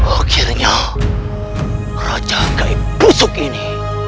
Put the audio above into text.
akhirnya raja gaib busuk ini